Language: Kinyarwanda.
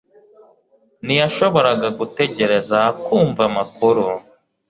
Ntiyashoboraga gutegereza kumva amakuru